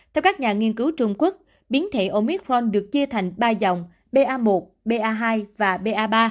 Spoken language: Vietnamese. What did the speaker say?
theo các nhà nghiên cứu trung quốc biến thể omicron được chia thành ba dòng ba một ba hai và ba ba